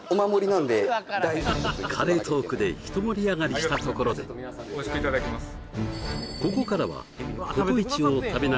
なんで大事にカレートークでひと盛り上がりしたところでおいしくいただきます